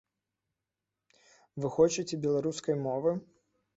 Вы хочаце беларускай мовы?